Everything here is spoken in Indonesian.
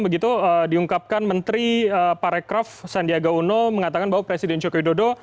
begitu diungkapkan menteri parekraf sandiaga uno mengatakan bahwa presiden joko widodo